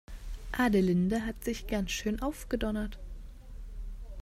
Adelinde hat sich ganz schön aufgedonnert.